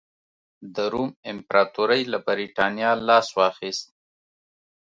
د روم امپراتورۍ له برېټانیا لاس واخیست.